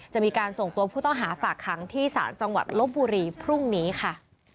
จะมีการส่งตัวผู้ต้องหาฝากค้างที่ศาลจังหวัดลบบุรีพรุ่งนี้ค่ะ